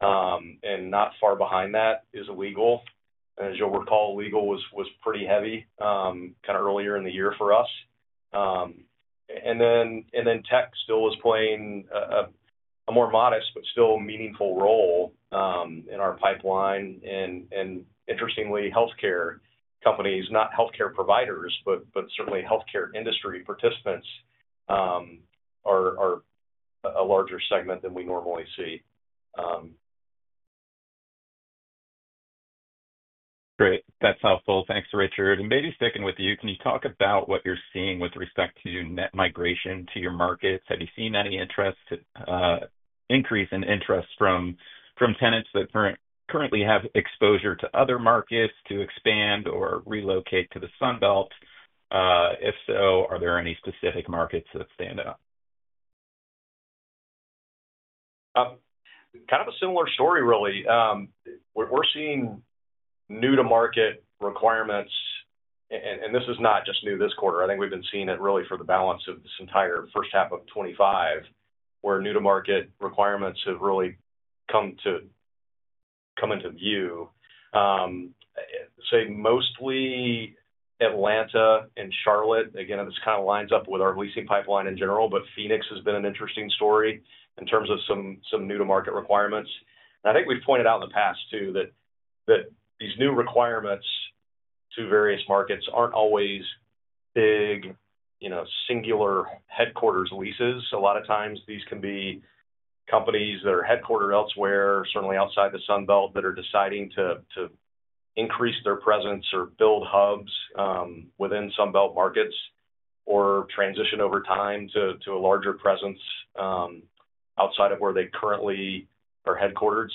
and not far behind that is legal. As you'll recall, legal was pretty heavy kind of earlier in the year for us. Tech still is playing a more modest but still meaningful role in our pipeline. Interestingly, healthcare companies, not healthcare providers, but certainly healthcare industry participants are a larger segment than we normally see. Great, that's helpful. Thanks, Richard. Maybe sticking with you, can you talk about what you're seeing with respect to net migration to your markets? Have you seen any increase in interest from tenants that currently have exposure to other markets to expand or relocate to the Sun Belt? If so, are there any specific markets that stand out? Kind of a similar story, really. We're seeing new to market requirements, and this is not just new this quarter. I think we've been seeing it really for the balance of this entire first half of 2025, where new to market requirements have really come into view, mostly Atlanta and Charlotte. Again, this kind of lines up with our leasing pipeline in general. Phoenix has been an interesting story in terms of some new to market requirements. I think we've pointed out in the past too that these new requirements to various markets aren't always big, singular headquarters leases. A lot of times these can be companies that are headquartered elsewhere, certainly outside the Sun Belt, that are deciding to increase their presence or build hubs within Sun Belt markets or transition over time to a larger presence outside of where they currently are headquartered.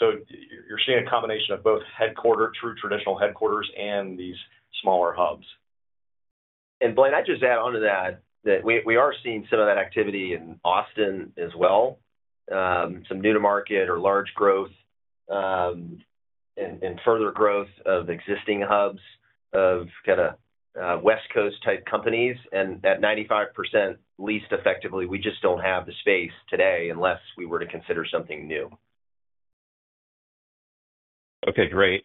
You're seeing a combination of both headquarters, true traditional headquarters, and these smaller hubs. Blaine, I just add onto that that we are seeing some of that activity in Austin as well, some new to market or large growth and further growth of existing hubs of kind of West Coast type companies. At 95% leased effectively, we just don't have the space today unless we were to consider something new. Okay, great.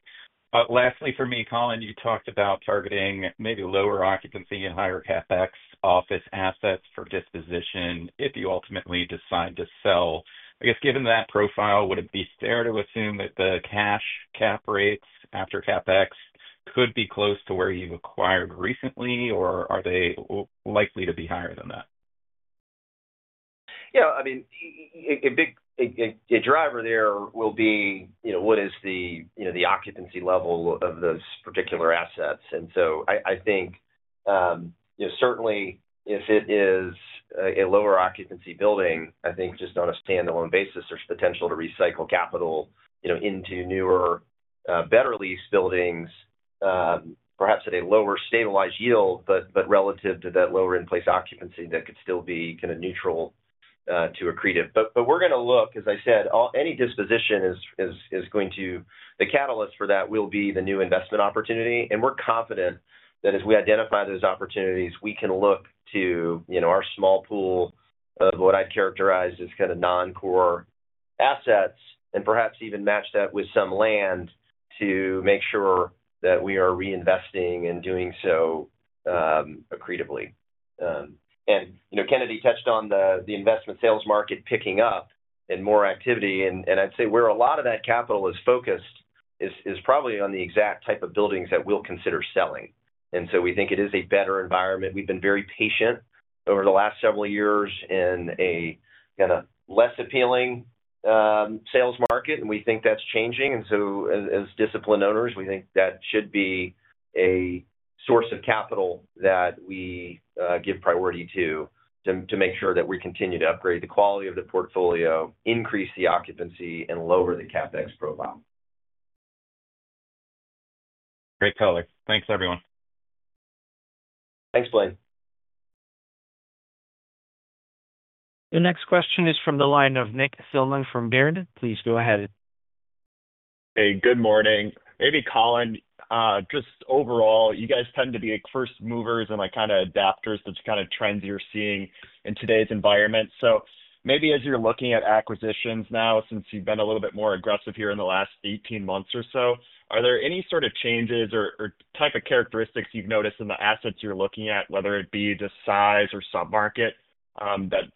Lastly for me, Colin, you talked about targeting maybe lower occupancy and higher CapEx office assets for disposition if you ultimately decide to sell. I guess given that profile, would it be fair to assume that the cash cap rates after CapEx could be close to where you've acquired recently, or are they likely to be higher than that? Yeah, I mean a big driver there will be what is the occupancy level of those particular assets? I think certainly if it is a lower occupancy building, just on a standalone basis there's potential to recycle capital into newer, better leased buildings, perhaps at a lower stabilized yield. Relative to that lower in place occupancy, that could still be kind of neutral to accretive. We're going to look, as I said, any disposition is going to the catalyst for that will be the new investment opportunity. We're confident that as we identify those opportunities we can look to our small pool of what I characterize as kind of non-core assets and perhaps even match that with some land to make sure that we are reinvesting and doing so accretively. Kennedy touched on the investment sales market picking up and more activity. I'd say where a lot of that capital is focused is probably on the exact type of buildings that we'll consider selling. We think it is a better environment. We've been very patient over the last several years in a less appealing sales market and we think that's changing. As disciplined owners, we think that should be a source of capital that we give priority to, to make sure that we continue to upgrade the quality of the portfolio, increase the occupancy and lower the CapEx profile. Great color. Thanks, everyone. Thanks Blaine. The next question is from the line of Nick Thillman from Baird. Please go ahead. Hey, good morning. Maybe Colin, just overall, you guys tend to be first movers and kind of adapters. That's kind of trends you're seeing in today's environment. Maybe as you're looking at acquisitions now, since you've been a little bit more aggressive here in the last 18 months or so, are there any sort of changes or type of characteristics you've noticed in the assets you're looking at, whether it be the size or submarket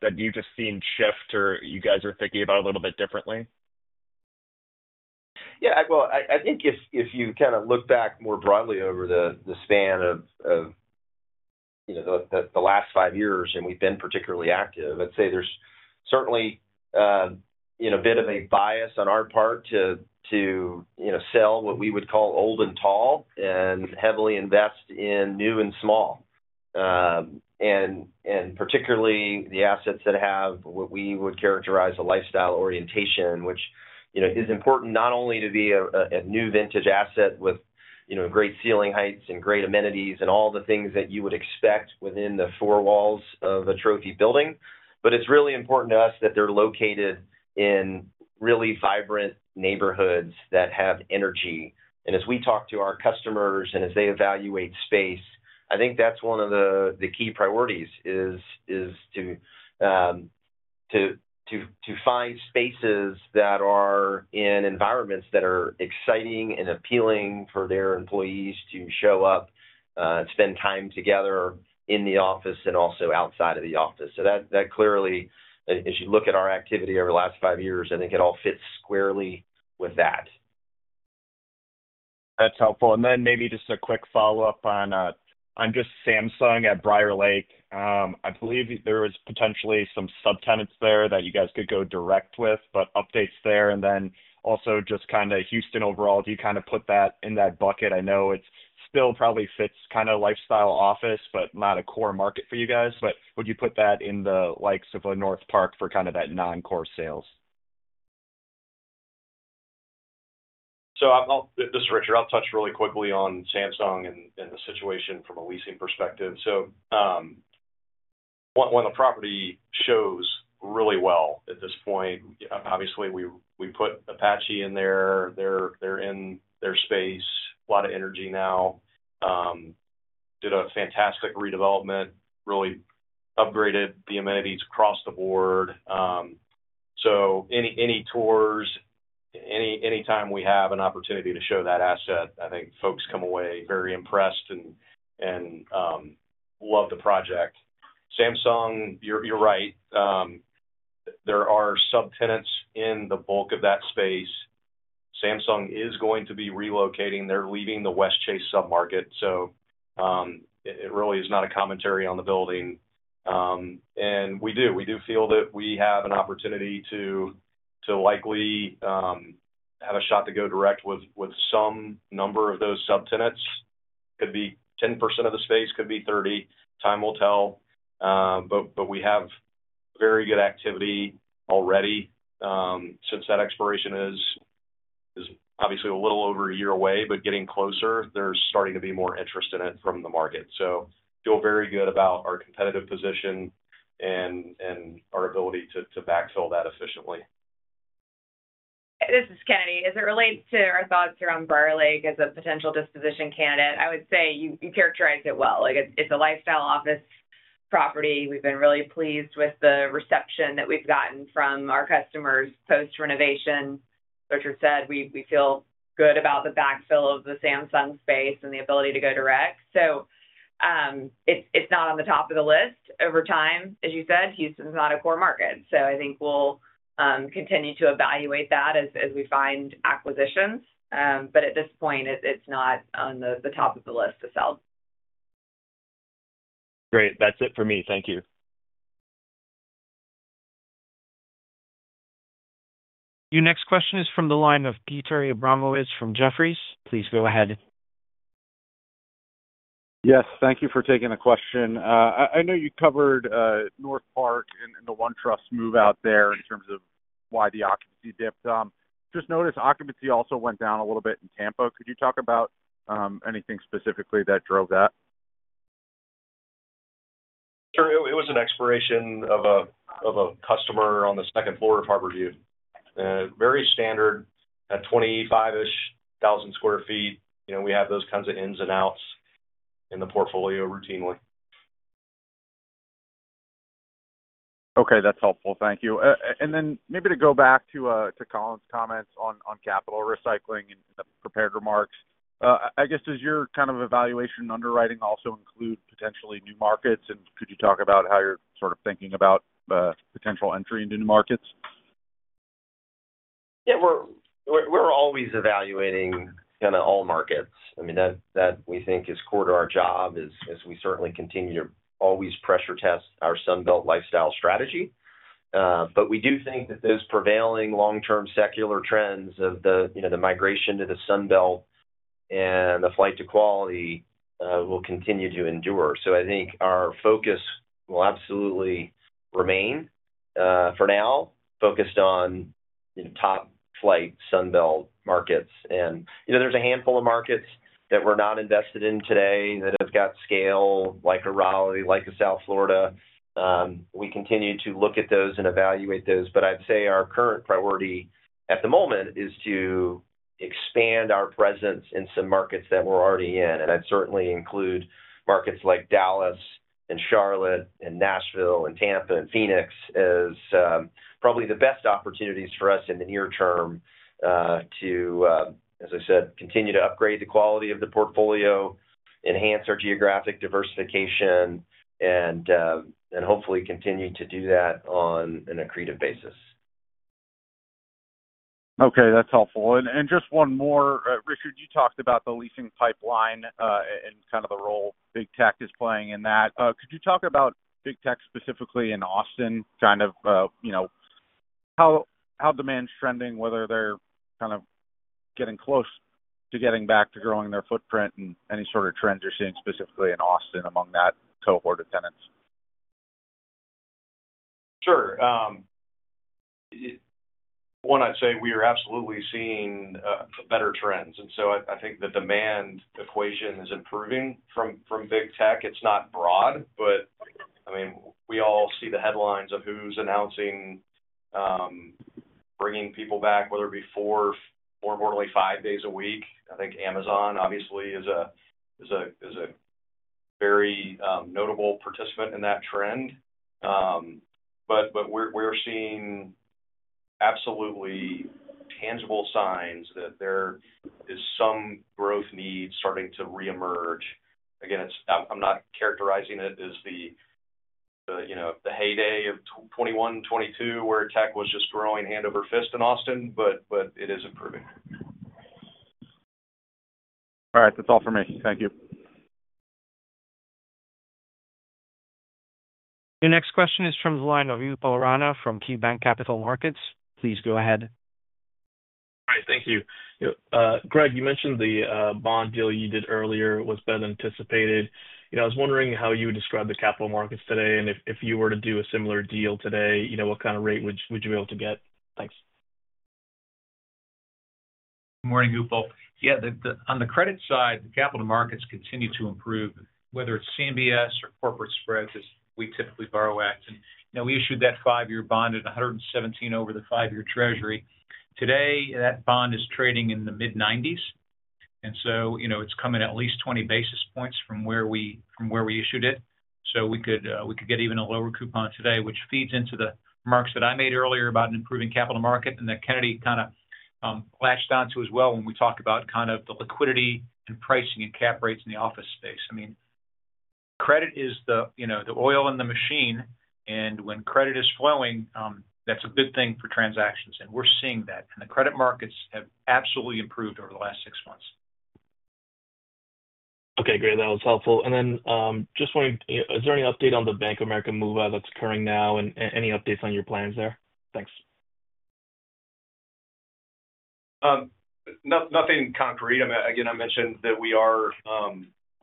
that you've just seen shift or you guys are thinking about a little bit differently? I think if you kind of look back more broadly over the span of the last five years and we've been particularly active, I'd say there's certainly a bit of a bias on our part to sell what we would call old and tall and heavily invest in new and small and particularly the assets that have what we would characterize a lifestyle orientation, which is important not only to be a new vintage asset with great ceiling heights and great amenities and all the things that you would expect within the four walls of a trophy building, but it's really important to us that they're located in really vibrant neighborhoods that have energy. As we talk to our customers and as they evaluate space, I think that's one of the key priorities is to find spaces that are in environments that are exciting and appealing for their employees to show up, spend time together in the office and also outside of the office. That clearly as you look at our activity over the last five years, I think it all fits squarely with that. That's helpful. Maybe just a quick follow-up on Samsung at Briarlake. I believe there was potentially some subtenants there that you guys could go direct with. Any updates there, and then also just kind of Houston overall? Do you kind of put that in that bucket? I know it still probably fits kind of lifestyle office, but not a core market for you guys. Would you put that in the likes of a Northpark for kind of that non-core sales? This is Richard. I'll touch really quickly on Samsung and the situation from a leasing perspective. The property shows really well at this point. Obviously, we put Apache in there. They're in their space, a lot of energy now, did a fantastic redevelopment, really upgraded the amenities across the board. Any tours, anytime we have an opportunity to show that asset, I think folks come away very impressed and love the project. Samsung, you're right. There are subtenants in the bulk of that space. Samsung is going to be relocating. They're leaving the Westchase submarket. It really is not a commentary on the building. We do feel that we have an opportunity to likely have a shot to go direct with some number of those subtenants. Could be 10% of the space, could be 30%. Time will tell, but we have very good activity already. Since that expiration is obviously a little over a year away, but getting closer, there's starting to be more interest in it from the market. Feel very good about our competitive position and our ability to backfill that efficiently. This is Kennedy. As it relates to our thoughts around Briarlake as a potential disposition candidate, I would say you characterize it well. It's a lifestyle office property. We've been really pleased with the reception that we've gotten from our customers post-renovation. We feel good about the backfill of the Samsung space and the ability to go direct. It's not on the top of the list over time. As you said, Houston's not a core market. I think we'll continue to evaluate that as we find acquisitions, but at this point it's not on the top of the list to sell. Great. That's it for me. Thank you. Your next question is from the line of Peter Abramowitz from Jefferies. Please go ahead. Yes, thank you for taking the question. I know you covered North Park and the OneTrust move out there. In terms of why the occupancy dipped, just notice occupancy also went down a little bit in Tampa. Could you talk about anything specifically that drove that? Sure. It was an expiration of a customer on the second floor of Harborview. Very standard at 25,000 sq ft. You know, we have those kinds of ins and outs in the portfolio routinely. Okay, that's helpful. Thank you. Maybe to go back to Colin's comments on capital recycling and prepared remarks, I guess. Does your kind of evaluation underwriting also include potentially new markets? Could you talk about how you're sort of thinking about potential entry into new markets? Yeah, we're always evaluating kind of all markets. I mean, that we think is core to our job is we certainly continue to always pressure test our Sun Belt Lifestyle strategy. We do think that those prevailing long-term secular trends of the, you know, the migration to the Sun Belt and the flight to quality will continue to endure. I think our focus will absolutely remain for now focused on top-flight Sun Belt markets. There's a handful of markets that we're not invested in today that have got scale like a Raleigh, like a South Florida. We continue to look at those and evaluate those. I'd say our current priority at the moment is to expand our presence in some markets that we're already in. I'd certainly include markets like Dallas and Charlotte and Nashville and Tampa and Phoenix as probably the best opportunities for us in the near term to, as I said, continue to upgrade the quality of the portfolio, enhance our geographic diversification, and hopefully continue to do that on an accretive basis. Okay, that's helpful. Just one more. Richard, you talked about the leasing pipeline and the role Big Tech is playing in that. Could you talk about Big Tech specifically in Austin, how demand's trending, whether they're getting close to getting back to growing their footprint, and any sort of trends you're seeing specifically in Austin among that cohort of tenants? Sure. One, I'd say we are absolutely seeing better trends. I think the demand equation is improving from Big Tech. It's not broad, but we all see the headlines of who's announcing bringing people back, whether it be four or more, five days a week. I think Amazon obviously is a very notable participant in that trend. We're seeing absolutely tangible signs that there is some growth need starting to reemerge again. I'm not characterizing it as the heyday of 2021-2022 where tech was just growing hand over fist in Austin, but it is improving. All right, that's all for me. Thank you. Your next question is from the line of Upal Rana from KeyBanc Capital Markets. Please go ahead. All right, thank you. Gregg, you mentioned the bond deal you did earlier was better than anticipated. I was wondering how you describe the capital markets today and if you were to do a similar deal today, what kind of rate. Would you be able to get that? Thanks. Good morning. Upal. Yeah. On the credit side, the capital markets continue to improve, whether it's CMBS or corporate spreads as we typically borrow at, and we issued that five-year bond at 117 over the five-year Treasury today. That bond is trading in the mid-90s, and it's coming at least 20 basis points from where we issued it, so we could get even a lower coupon today, which feeds into the remarks that I made earlier about an improving capital market and that Kennedy kind of latched onto as well. When we talk about the liquidity and pricing and cap rates in the office space, credit is the oil in the machine. When credit is flowing, that's a good thing for transactions, and we're seeing that. The credit markets have absolutely improved over the last six months. Okay, great, that was helpful. Is there any update on the Bank of America move out that's occurring now and any updates on your plans there? Thanks. Nothing concrete. Again, I mentioned that we are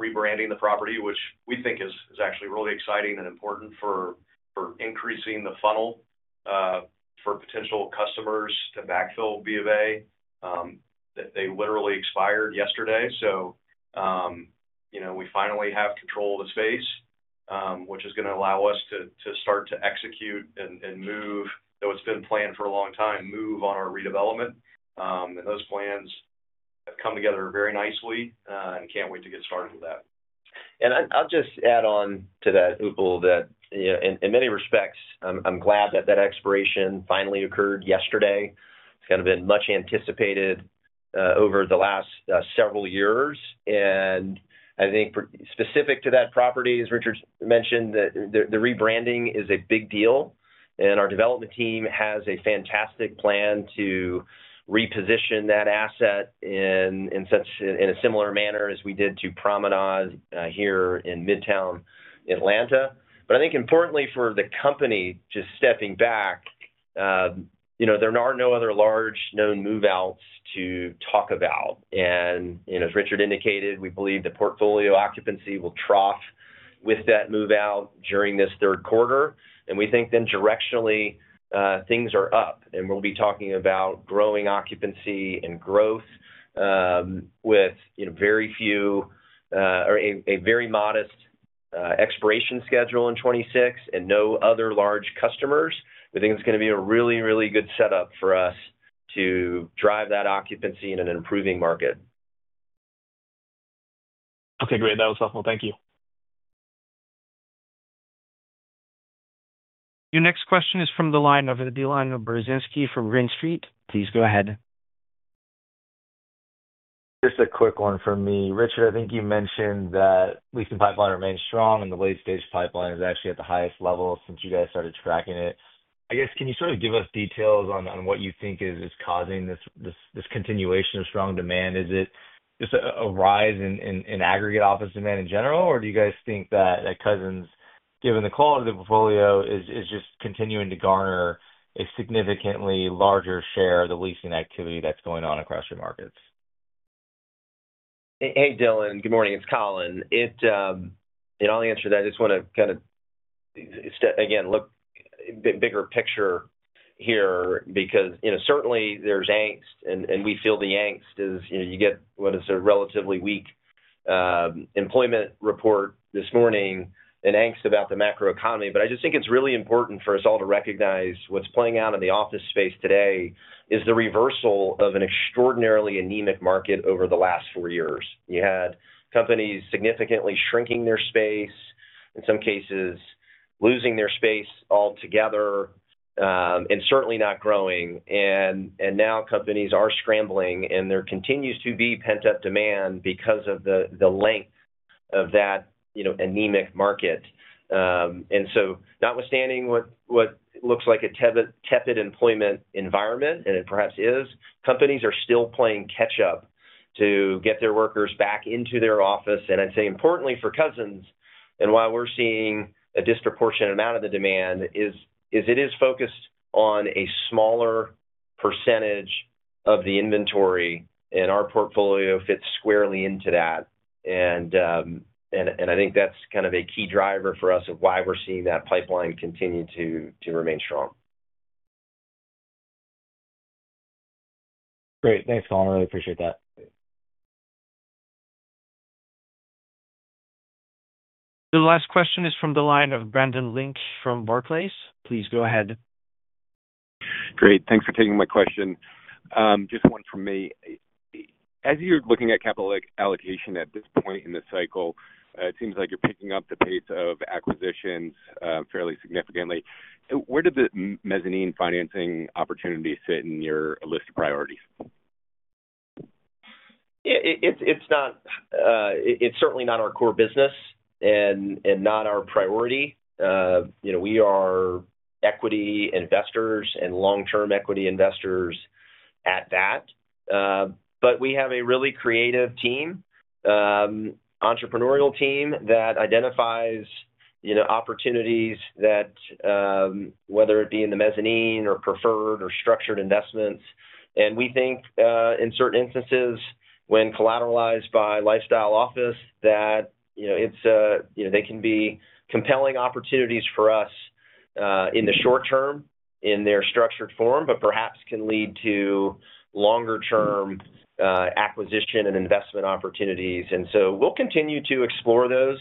rebranding the property, which we think is actually really exciting and important for increasing the funnel for potential customers to backfill BofA. They literally expired yesterday. We finally have control of the space, which is going to allow us to start to execute and move, though it's been planned for a long time, move on our redevelopment. Those plans have come together very nicely and can't wait to get started with that. I'll just add on to that, Upal, that in many respects I'm glad that that expiration finally occurred yesterday. It's kind of been much anticipated over the last several years, and I think specific to that property, as Richard mentioned, the rebranding is a big deal and our development team has a fantastic plan to reposition that asset in a similar manner as we did to Promenade here in Midtown Atlanta. I think importantly for the company, just stepping back, there are no other large known move outs to talk about. As Richard indicated, we believe the portfolio occupancy will trough with that move out during this third quarter, and we think then directionally things are up and we'll be talking about growing occupancy and growth with very few or a very modest expiration schedule in 2026 and no other large customers. I think it's going to be a really, really good setup for us to drive that occupancy in an improving market. Okay, great. That was helpful. Thank you. Your next question is from the line of Dylan Burzinski from Green Street. Please go ahead. Just a quick one from me. Richard, I think you mentioned that leasing pipeline remains strong, and the late stage pipeline is actually at the highest level since you guys started tracking it, I guess. Can you sort of give us details on what you think is causing this continuation of strong demand? Is it just a rise in aggregate office demand in general, or do you guys think that Cousins, given the quality of the portfolio, is just continuing to garner a significantly larger share of the leasing activity that's going on across your markets? Hey, Dylan, good morning, it's Colin. I'll answer that. I just want to again look bigger picture here because certainly there's angst and we feel the angst is, you get what is a relatively weak employment report this morning and angst about the macro economy. I just think it's really important for us all to recognize what's playing out in the office space today is the reversal of an extraordinarily anemic market. Over the last four years, you had companies significantly shrinking their space, in some cases losing their space altogether and certainly not growing. Now companies are scrambling and there continues to be pent up demand because of the length of that anemic market. Notwithstanding what looks like a tepid employment environment, and it perhaps is, companies are still playing catch up to get their workers back into their office. I'd say importantly for Cousins and why we're seeing a disproportionate amount of the demand is it is focused on a smaller percentage of the inventory and our portfolio fits squarely into that. I think that's kind of a key driver for us of why we're seeing that pipeline continue to remain strong. Great. Thanks, Colin, really appreciate that. The last question is from the line of Brendan Lynch from Barclays. Please go ahead. Great. Thanks for taking my question. Just one for me. As you're looking at capital allocation at this point in the cycle, it seems like you're picking up the pace of acquisitions fairly significantly. Where do the mezzanine financing opportunities sit in your list of priorities? It's certainly not our core business and not our priority. We are equity investors and long-term equity investors at that. We have a really creative team, entrepreneurial team that identifies opportunities that, whether it be in the mezzanine or preferred or structured investments, we think in certain instances when collateralized by lifestyle office, they can be compelling opportunities for us in the short term in their structured form, but perhaps can lead to longer-term acquisition and investment opportunities. We will continue to explore those.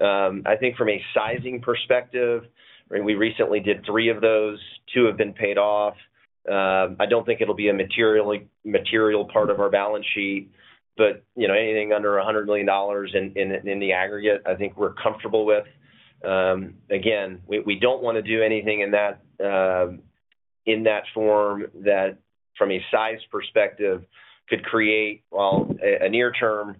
I think from a sizing perspective, we recently did three of those. Two have been paid off. I don't think it'll be a material part of our balance sheet, but anything under $100 million in the aggregate I think we're comfortable with. We don't want to do anything in that form that from a size perspective could create a near-term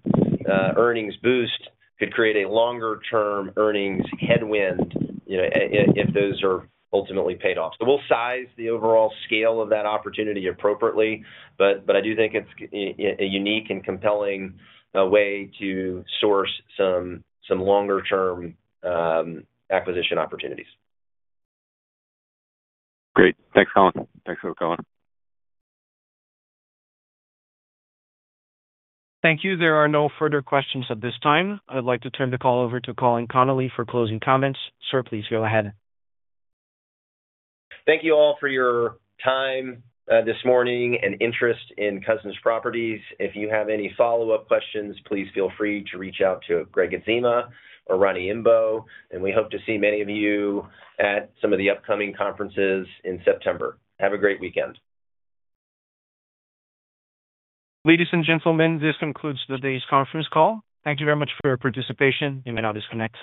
earnings boost, could create a longer-term earnings headwind if those are ultimately paid off. We will size the overall scale of that opportunity appropriately. I do think it's a unique and compelling way to source some longer-term acquisition opportunities. Great. Thanks, Colin. Thanks, Colin. Thank you. There are no further questions at this time. I'd like to turn the call over to Colin Connolly for closing comments. Sir, please go ahead. Thank you all for your time this morning and interest in Cousins Properties. If you have any follow up questions, please feel free to reach out to Gregg Adzema or Roni Imbeaux. We hope to see many of you at some of the upcoming conferences in September. Have a great weekend. Ladies and gentlemen, this concludes today's conference call. Thank you very much for your participation. You may now disconnect.